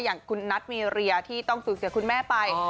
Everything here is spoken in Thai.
อย่างคุณนัทมีเรียที่ต้องสูญเสียคุณแม่ไป